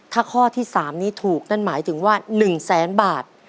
ถ้าข้อที่๓นี้ถูกนั่นหมายถึงว่า๑แสนบาท